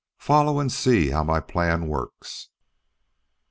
Follow and see how my plan works."